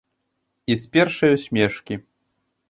І з першай усмешкі.